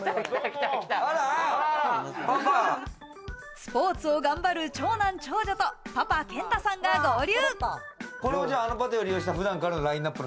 スポーツを頑張る、長男・長女と、パパ・賢太さんが合流。